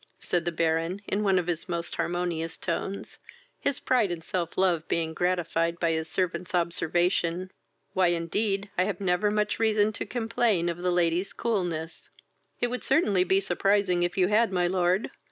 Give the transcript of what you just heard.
(said the Baron, in one of his most harmonious tones, his pride and self love being gratified by his servant's observation.) Why, indeed, I had never much reason to complain of the ladies' coolness." "It would certainly be surprising if you had, my lord.